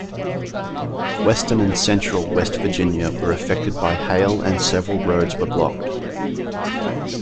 Western and central West Virginia were affected by hail and several roads were blocked.